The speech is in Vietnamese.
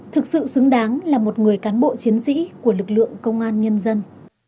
thực sự xứng đáng là một người cán bộ chiến sĩ của lực lượng công an nhân dân